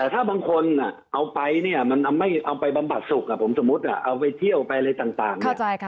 ถ้าบางคนเอาไปบำบัดสุขสมมุติเอาไปเฉี่ยอะไรต่าง